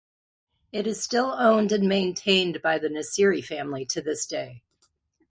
It is still owned and maintained by the Nasiri family to this day.